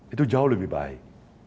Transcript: itu jauh lebih baik